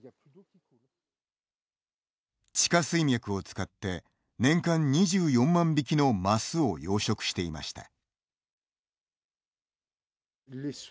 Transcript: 地下水脈を使って年間２４万匹のマスを養殖していました。